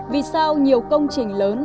vì sao nhiều công trình lớn